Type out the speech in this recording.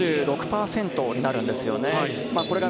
２６％になるんですよね。